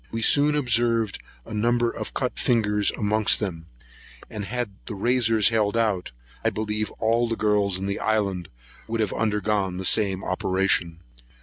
We soon observed a number of cut fingers amongst them; and had the razors held out, I believe all the girls in the island would have undergone the same operation.